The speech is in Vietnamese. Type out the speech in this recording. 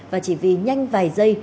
và chỉ vì nhanh vài giây